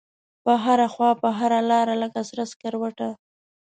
په هره خواپه هره لاره لکه سره سکروټه